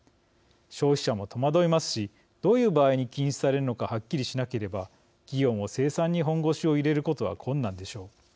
消費者も戸惑いますしどういう場合に禁止されるのかはっきりしなければ企業も生産に本腰を入れることは困難でしょう。